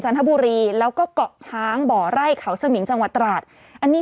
ทบุรีแล้วก็เกาะช้างบ่อไร่เขาสมิงจังหวัดตราดอันนี้